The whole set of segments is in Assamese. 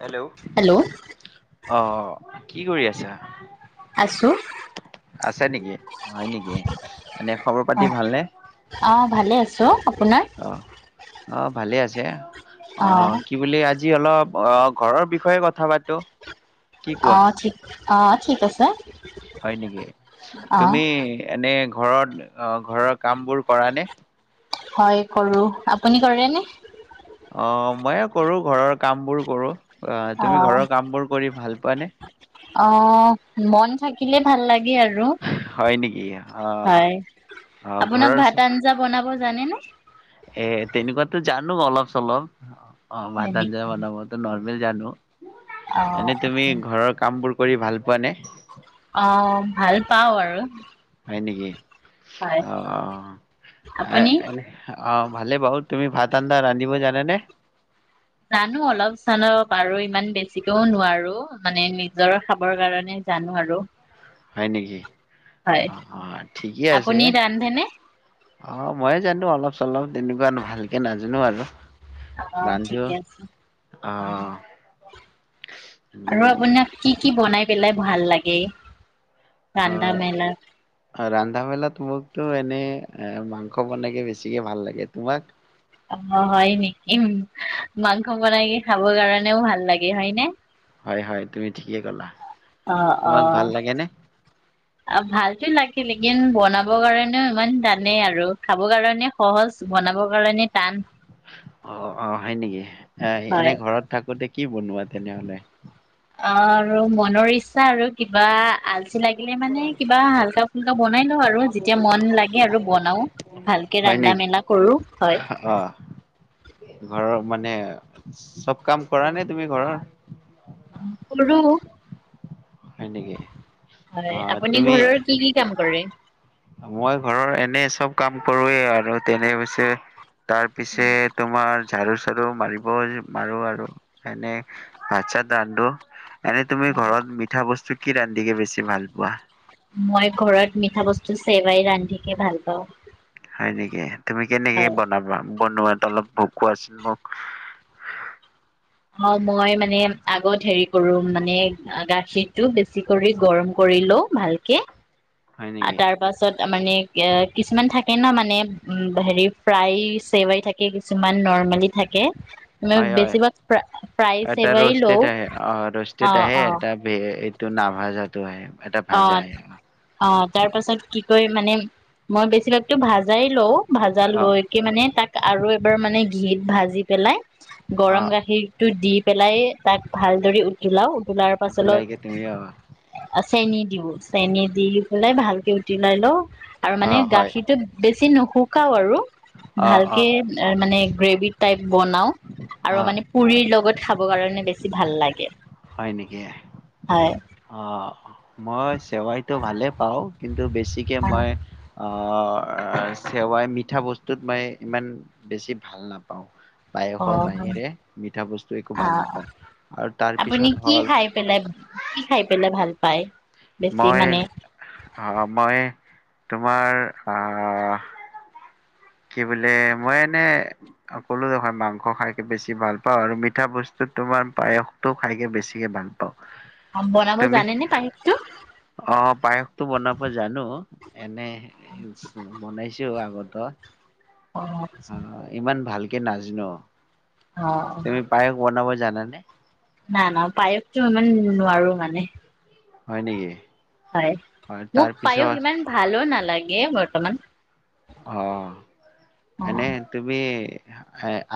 হেল্ল'। হেল্ল' অ'। কি কৰি আছা? আছোঁ আছে নেকি হয় নেকি? এনে খবৰ-পাতি অঁ ভালনে? অঁ ভালে আছো। অ' অ'। ভালে আছে যে অঁ অ' কি বুলি আজি আজি অলপ, অ' ঘৰৰ বিষয়ে কথা পাতো। কি কোৱা অ' ঠিক অ' ঠিক আছে। হয় নেকি? অঁ তুমি এনে ঘৰত অ', ঘৰৰ কামবোৰ কৰা নে? হয়, কৰো। আপুনি কৰে নে? অ', মই এই কৰো ঘৰৰ কামবোৰ কৰো। অ', তুমি ঘৰৰ কামবোৰ কৰি ভাল পোৱানে? অ', মন থাকিলে ভাল লাগে। গে আৰু। হয় নেকি অ হয়, অ আপোনাক ঘৰৰ ভাত-আঞ্জা বনাব জানে নে? এ, তেনেকুৱাতো জানো অলপ-চলপ। অ', হয় ভাত-আঞ্জা নেকি বনাবতো নৰ মিল জানো অঁ এনেই তুমি আচ্ছা ঘৰৰ কামবোৰ কৰি ভাল পোৱা নে? অ', ভাল পাওঁ আৰু। হয় নেকি? হয় অ'। আ-এ আপুনি অ'। ভালে বাৰু তুমি ভাত-আন্দা ৰান্ধিব জানানে? জানো অলপ-চলপ, আৰু ইমান বেছিকেও নোৱাৰো, মানে নিজৰ খাবৰ কাৰণে জানো আৰু। হয় নেকি। হয় অ অ ঠিকেই আছে আপুনি ৰান্ধেনে অ মইে জানো। অলপ-চলপ তেনেকুৱা ভালকে নাজানো আৰু, আহ ৰান্ধো। ঠিকে আছে অ আৰু উম, আপোনাক কি- কি বনাই পেলাই ভাল লাগে, ৰান্ধা মেলা অ ৰান্ধা- বেলাত মোক, তটো এনে এ', মাংস বনাইকে বেছিকে ভাল লাগে তোমাক? অ হয় নেকি উম মাংস বনাই খাবৰ কাৰণেও ভাল লাগে হয় নে? হয়-হয় তুমি ঠিকে ক'লা, অ তোমাক ভাল লাগে নে? অ ভালতো লাগিলে, চীকেন বনাব কাৰণেও ইমান টানেই, আৰু খাবৰ কাৰণে সহজ বনাবৰ কাৰণে টান। অ অ হয় নেকি এ এনে হয় ঘৰত থাকোতে কি বনোৱা তেনেহলে? অ আৰু মনৰ ইচ্ছা আৰু কিবা আলচি লাগিলে মানে কিবা হাল্কা-ফুল্কা বনাই লও আৰু যেতিয়া মন লাগে আৰু বনাও ভালকে হয় নেকি? ৰান্ধা-মেলা কৰো হয়। অ', ঘৰৰ মানে চব কাম কৰা নে তুমি ঘৰৰ? কৰোঁ, হয় ', নেকি। অঁ আপুনি তুমি ঘৰৰ কি কি কাম কৰে মই ঘৰৰ এনে চব কাম কৰোৱে আৰু তেনে [unintelligible] তাৰ পিছে তোমাৰ ঝাৰু চাৰু মাৰিবও মাৰো আৰু এনে ভাত চাত ৰান্ধো। এনেই তুমি ঘৰত বস্তু কি ৰান্ধিকে বেছি ভাল পোৱা? মই ঘৰত মিঠা বস্তু চেৱাই ৰান্ধিকে ভাল পাওঁ। হয় নেকি। তুমি কেনেকে হয়, বনাবা? [unintelligible] হয় মই মানে আগত হেৰি মানে গাখীৰটো বেছি কৰি গৰম কৰি লও ভালকে। হয় আৰু নেকি তাৰ পাছত মানে কিছুমান থাকে ন মানে হেৰি ফ্ৰাই চেৱাই থাকে কিছুমান নৰ্মেলি থাকে মানে হয় হয় বেছিভাগ প্ৰাইজ এটা চেৱাই ৰষ্টেড লওঁ আহে অঁ অঁ। টো নাভা যাতো আহে এটা ভাজা অঁ আহে অঁ তাৰ পাছত কি কয় মানে। মই বেছিভাগতো ভাজাই লওঁ। ভাজা অ লৈকে মানে তাক আৰু এবাৰ মানে। ঘিত ভাজি পেলাই। গৰম অ', গাখীৰতটো দি পেলাই তাক। ভালদৰে উতলাও। উতলাৰ পাছত উতলাই দিব আকৌ। চেনি দিওঁ, চেনি দি পেলাই ভালকে উটিলাই লওঁ। আৰু মানে অ', হয়। গাখীৰতটো বেছি নোখোৱা। শুকাও আৰু। অ', ভালকে অ', মানে গ্ৰেভ। টাইপ বনাওঁ। আৰু অ', মানে পুৰিৰ লগত। খাব কাৰণে বেছি ভাল লাগে। হয় নেকি? হয়। অঁ মই চেৱাইতো ভালে পাওঁ। কিন্তু বেছিকে মই অঁ। আহ চেৱাই মিঠা বস্তুত মই ইমান বেছি ভাল নাপাওঁ। অ বায়সৰ অ হয় বাহিৰে মিঠা বস্তু একো অ ভাল অ নাপাওঁ আৰু তাৰ পিছত হ'ল। পাই ভাল পায়? বেছি মই মানে অ মই। তোমাৰ আহ। কি বোলে মই এনে কলো দেখোন মাংস খাইকে বেছি ভাল পাওঁ, আৰু মিঠা বস্তুত তোমাৰ পায়সটো খাইকে বেছিকে ভাল পাওঁ। বনাব তুমি জানেনে পায়সটো? অ পায়সটো বনাব জানো এনে। বনাইছো আগতো। অ অ আচ্ছা ইমান ভালকে। নাজানো। অ তমি পায়ক বনাব। জানানে? নাই না, পায়সটো ইমান নোৱাৰো মানে। হয় নেকি? হয় হয় মোক পায়োখ তাৰপিছত সিমান ভালো নালাগে। বৰ্ত্তমান। অ এনে তুমি।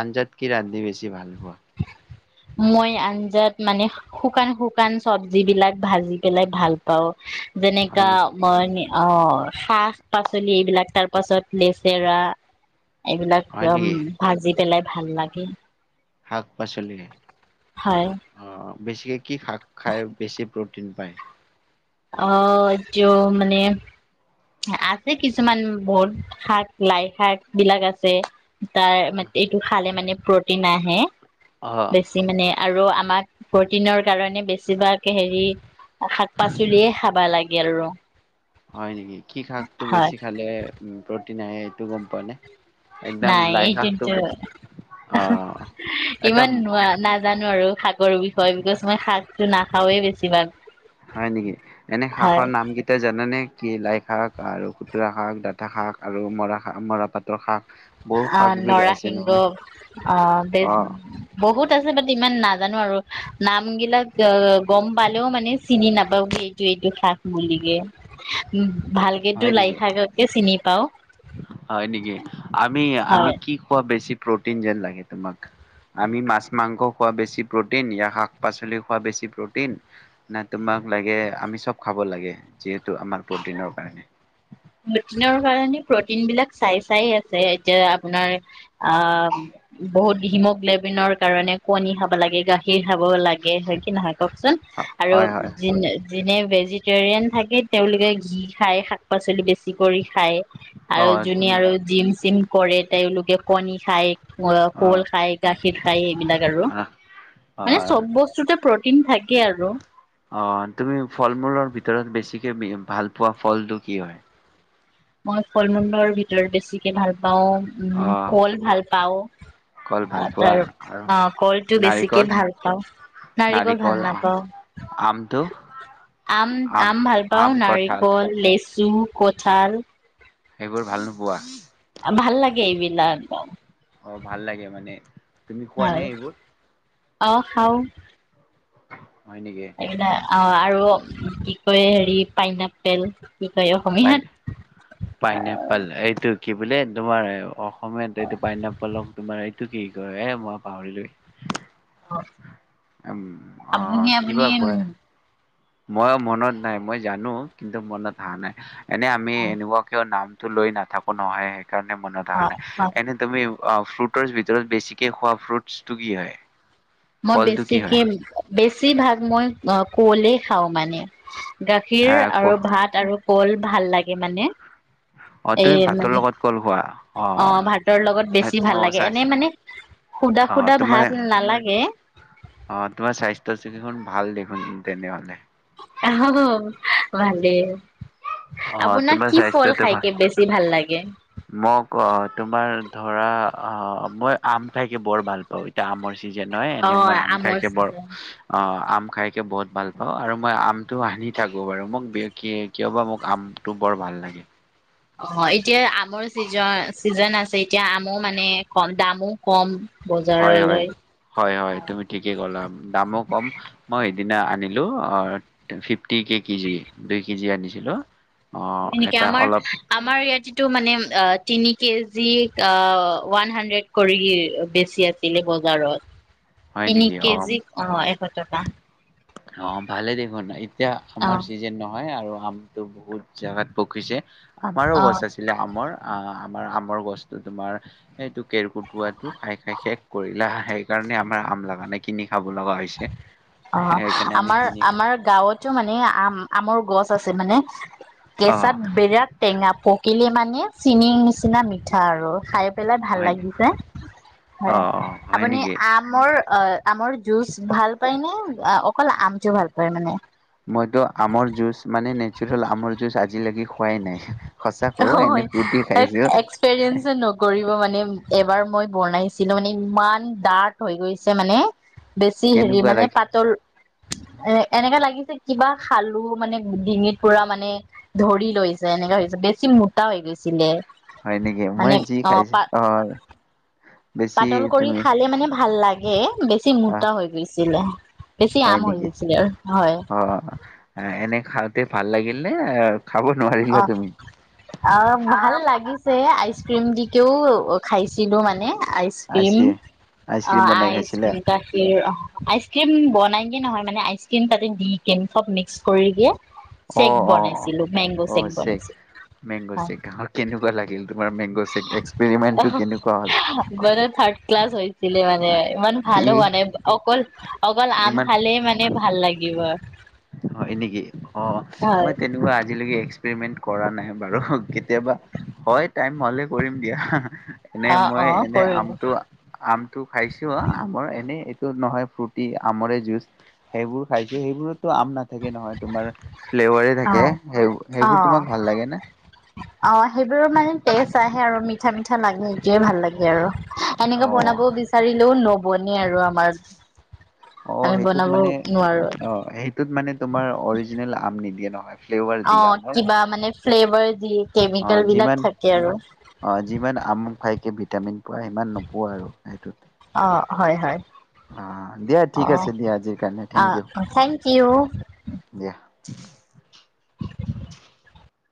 আঞ্জাত কি ৰান্ধি বেছি ভাল ব? মই আঞ্জাত মানে শুকান শুকান চবজি বিলাক ভাজি পেলাই ভাল পাও। হয় মেনেকা নেকি? মই নে। অ শাক পাচলি এইবিলাক তাৰ পাছত লেচেৰা। এইবিলাক হয় উম নেকি? ভাজি পেলাই। ভাল লাগে। শাক পাচলি হয় অ। বেছিক। কি শাক খাই বেছি। তিন পাই। অ। এও মানে আছে কিছুমান বহুত শাক লাই শাক বিলাক আছে তাৰ এইটো খালে মানে প্ৰটিন আহে। অ' বেছি মানে আৰু। আমাক প্ৰটিনৰ কাৰণে বেছিভাগ হেৰি। শাক পাচলিয়ে খাবা লাগে। এো। হয় নেকি কি খাকটো বেছি খালে উ ব্ৰত। নাই এইটো গম পোৱা নে।? একদম নাই লাই শাকটো কিন্তু অহ এটা ইমান নোৱা নাজানো আৰু শাকৰ বিষয়ে বিকজ মই শাকটো নাখাওেই বেছি। কিমান। হয় নেকি এনে শাকৰ নাম কেইটা জানেনে? কি লাই শাক আৰু খুতুৰা শাক ডাঠা শাক আৰু মৰা শাক মৰাপাতৰ শাক। বহু অ শাকবোৰ আছে নৰসিংহ নহয় অ বেছ অ বহুত। আছে বাতি ইমান নাজানো আৰু। নাম গিলাক গম পালেও মানে চিনি নাপ। সেইটো এইটো শাক মলিগে উম। ভালকে তো হয় লাই নেকি? শাককে চিনি পাওঁ। হয় নিকি। আমি আমি হয়, কি কোৱা বেছি। প্ৰটিন যেন লাগে তোমাক আমি মাছ মাংস খোৱা বেছি প্ৰটিন য়া শাক পাচলি খোৱা বেছি প্ৰটিন নে তোমাক লাগে আমি চব খাব লাগে যিহেতু আমাৰ প্ৰটিনৰ কাৰণে। প্ৰটিনৰ কাৰণে প্ৰটিন বিলাক চাই চাই আছে এতিয়া আপোনাৰ আ বহুত হিমোগ্লবিনৰ কাৰণে কণী খাব লাগে গাখীৰ খাব লাগে হয় কি নহয়। কওকচোন আৰু হয় হয় যি। যেনে ভেজিটেৰিয়ান থাকে তেওঁলোকে ঘি খাই শাক পাচলি বেছি। বেছি কৰি খায়। অ আৰু যোনি তুমি আৰু জিম চিম। কৰে তেওঁলোকে কণী খায়। অ কল খাই গাখীৰ খাই এইবিলাক আৰু আহ অ মানে চব বস্তুতে প্ৰটি। তিন থাক। অ তুমি ফল মূলৰ ভিতৰত বেছি। কে বি ভাল পোৱা ফলটো কি হয়। মই ফল মূলৰ ভিতৰত বেছিকে ভাল পাওঁ। পাওঁ অ উম কল ভাল। কল ভাল পাওঁ। পোৱা তাৰ আৰু অ কলটো বেছিকে নাৰিকল ভাল পাওঁ নাৰিকল ভাল নাপাওঁ আমটো আম আম ভাল পাওঁ আম কঁঠাল নাৰিকল লেচু। চুম কঁঠাল। সেইবোৰ ভাল নোপোৱা। ভাল লাগে এইবিলাক একদম। অ ভাল লাগে মানে। তুমি খোৱা নে ভাল এইবোৰ অ খাও। হয় নেকি সেইনে আ অ আৰু কি। হয় হেৰি পাইনাপেল। কি কয় পাই অসমীয়াত পাইনএপল আহ। এইটো কি বোলে তোমাৰ অঁ। সমে এইটো পাইনপলক তোমাৰ। তোক কি ক এ মই পাহৰিলো? উ অ আপুনি আপুনি কিবা কয়। উম মই মনত নাই মই জানো কিন্তু মনত হহা নাই। এনে আমি এনেকুৱাকেও নাম। লৈ নাথাকো নহয়। কাৰ মন থ নাই অ এনে তমি। ফ্ৰুটৰ ভিতৰত বেছিকে খোৱা ফ্ৰুটছটো কি হয়। মই ফলটো কি বেছিকে হয় বেছ। বেছিভাগ মই অ কঁৱলেই খাওঁ মানে। গাখীৰ আহ ক আৰু ভাত আৰু। কল ভাল লাগে মানে। অ এ তুমি ভাতৰ মানে লগত কল খোৱা অ ভাতৰ লগত বেছি অ ভাল লাগে চাইছ এনে মানে সুধা অ সুদা তোমাৰ ভাত নালাগে। অ তোমাৰ স্বাস্থ্যছে কি ভাল দেখোন তেনে মলে। অহ ভালে অ তোমাৰ স্বাস্থ্যটো ভাল? বেছি ভাল লাগে মোক ক তোমাৰ ধৰা অ মই আম খাইকে বৰ ভাল পাওঁ এতিয়া আমৰ চি যেন হয় অ এনে মই আম আমৰ খাইকে বৰ চিজন অ আম খাইকে বহুত ভাল পাও আৰু মই আমটো আনি থাকো বাৰু মোক কিয় বা মোক আমটো বৰ ভাল লাগে। অ এতিয়া আমৰ চিজন চিজন আছে এতিয়া আমো মানে কম দামো কম। হয় হয় বজাৰলৈ হয় হয় তুমি ঠিকেই কলা দামো কম, মই সিদিনা আনিলো অ ফিফটি কে কেজি দুই কেজি আনিছিলো। অ এনেকে এটা আমাৰ অলপ আমাৰ ইয়াত তো মানে তিনি কেজি ওৱান হাড্ৰেড কৰি বেছি আছিলে বজাৰত। হয় তিনি নেকি অ কেজি অ এশ টকা। অ ভালে দেখোন ন এতিয়া অ আমাৰ চিজেন নহ হয় আৰু আমটো বহুত জেগাত পকিছে আমাৰো অ গছ আছিলে আমৰ। আহ আমাৰ আমৰ গছটো তোমাৰ এইটো কেৰ্কেটুৱাটো খাই খাই শেষ কৰিলে সেই কাৰণে আমাৰ আম লাগা নাই কিনি খাব লগা হৈছে। অ সেইকাৰণে আমি আমাৰ কিনি খাওঁ আমাৰ গাঁৱতো মানে আম আমৰ গছ আছে মানে অ কেঁচাত বিৰাট টেঙা পোক কিলে মানে চিনিৰ নিচিনা মিঠা আৰু খাই পেলাই ভাল হয় নে? লাগিছে, অ হয়। অ হয় আপুনি নেকি? আমৰ অ। আমৰ জুচ ভাল অকল আমটো ভাল পায় মানে। মইটো আমৰ জুচ মানে নেচাৰেল আমৰ জুচ আজিলি হয় খাইছো এক্সপেৰিয়েঞ্চো নকৰিব মানে এবাৰ মই বনাইছিলো মানে ইমান ডাৰ্ট হৈ গৈছে মানে। বেছি হেৰি কেনেকুৱা মানে লাগে পাতল এ এনেকা লাগিছে কিবা খালো মানে ডিঙিত পুৰা মানে ধৰি লৈ ছে এনেকা হৈছে বেছি মোটা হৈ গৈছিলে। হয় নেকি? মই মানে যি অ খাইছো পা হয় পাতল কৰি খালে মানে ভাল লাগে বেছি আহ মোটা হৈ গৈছি ছিলে। বেছি হয় আম হৈ নেকি? গৈছিলে আৰু হয়। অ', এনে খাওঁতে ভাল লাগিল নে খাব নোৱাৰিলা অঁ তুমি অঁ ভাল লাগিছে আইচ ক্ৰীম দিকেও অঁ খাইছিলো মানে আইচ ক্ৰীম আইচক্ৰীম? আইচক্ৰীম অঁ বনাই খাইছিলা? আইচম গাখীৰ অ আইচক্ৰীম বনাইগে নহয় মানে আইচক্ৰীম তাতে দি কেনে চব মিক্স কৰি কে চেক বনাইছিলো মেংগজ অঁ চেক মেংগ চেক কেনেকুৱা লাগে। অঁ কেনেকুৱা হ'ল? মান থাৰ্ড ক্লাছ হৈছিলে মানে ইমান ভালো ই মোৱা নাই অকল অকল আম ইমান খালে মানে ভাল লাগিব অঁ হয় নেকি অঁ হয় মই তেনেকুৱা আজিলৈকে এক্সপেৰিমেন্ট কৰা নাই বাৰু কেতিয়াবা হয় টাইম হলে কৰিম দিয়া এনে অ মই অ এনে কৰিব আমটো আমটো খাইছো আমৰ এনে নহয় ফ্ৰৰ্তি আমৰে যুজ সেইবোৰ খাইছো সেইবোৰত থাকে অঁ সেই অঁ সেইবোৰ তোমাক ভাল লাগে নে অঁ সেইবোৰৰ মানে তেজ আহে আৰু মিঠা মিঠা লাগে এইটোয়ে ভাল লাগে আৰু এনেকে বনাব বিচাৰিলেও নবনে আৰু আমাৰ অঁ আমি সেইটোত বনাব মানে নোৱাৰো অঁ সেইটোত মানে তোমাৰ অৰিজিনেল আম নি দিয়ে নহয় ফ্লেভাৰ অ দিয়ে আমৰ কিবা মানে ফ্লেভাৰ দিয়ে অ কেমিকেল বিলাক যিমান থাকে আৰু অ যিমান আম খাইকে ভিটামিন পোৱা ইমান নোপোৱা আৰু সেইটোত অঁ হয় হয় অ দিয়া অ ঠিক আছে দিয়া আজিৰ কাৰণে থেংক ইউ অ থেংক ইউ দিয়া। [inaudible]